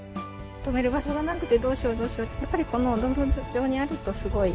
止める場所がなくてどうしようどうしよう。